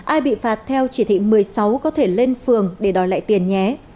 ai bị phạt theo chỉ thị một mươi sáu có thể lên phường để đòi lại tiền nhé